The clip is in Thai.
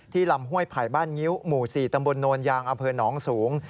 ที่ลำห้วยผ่ายบ้านงิ้วหมู่สี่ตำบลโนญางอเภอหนองสูง